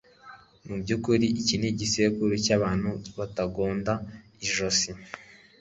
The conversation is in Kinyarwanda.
Mu byukuri iki ni igisekuru cyabantu batagonda ijosi